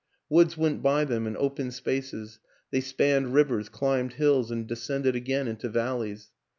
Woods went by them and open spaces; they spanned rivers, climbed hills and descended again into valleys.